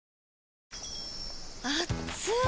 あっつい！